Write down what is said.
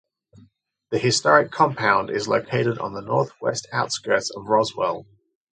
The historic compound is located on the northwest outskirts of Roswell.